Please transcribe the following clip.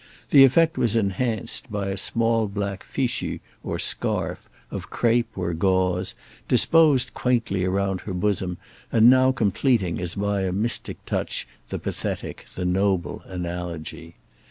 This effect was enhanced by a small black fichu or scarf, of crape or gauze, disposed quaintly round her bosom and now completing as by a mystic touch the pathetic, the noble analogy.